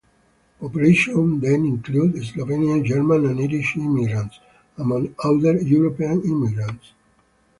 Population then included Slovenian, German and Irish immigrants, among other European immigrants.